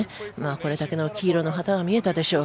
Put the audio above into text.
これだけの黄色の旗も見えたでしょう。